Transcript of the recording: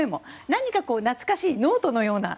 何か懐かしいノートのような。